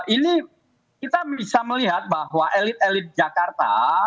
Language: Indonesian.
ini kita bisa melihat bahwa elit elit jakarta